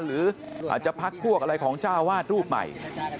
หรืออาจจะพักพวกอะไรของเจ้าวาดรูปใหม่